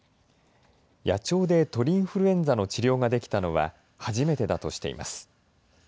野鳥で鳥インフルエンザの治療ができたのは初めてだとしています。